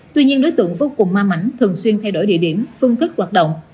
tuy nhiên đối tượng vô cùng ma mảnh thường xuyên thay đổi địa điểm phương thức hoạt động